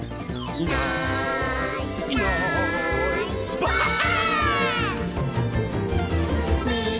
「いないいないばあっ！」